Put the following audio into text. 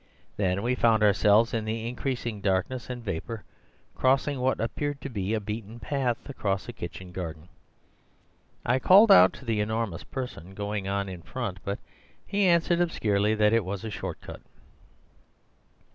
We then found ourselves, in the increasing darkness and vapour, crossing what appeared to be a beaten path across a kitchen garden. I called out to the enormous person going on in front, but he answered obscurely that it was a short cut.